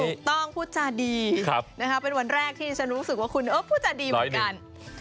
ถูกต้องพูดจาดีเป็นวันแรกที่ฉันรู้สึกว่าคุณพูดจาดีเหมือนกัน